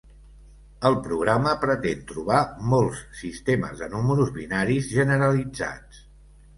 El programa pretén trobar molts sistemes de números binaris generalitzats.